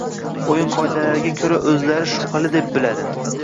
Oʻyin qoidalarida koʻra oʻzlari shubhali deb biladi